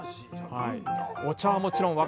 お茶はもちろん和歌山産！